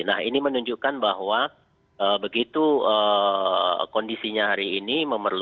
nah ini menunjukkan bahwa begitu kondisinya hari ini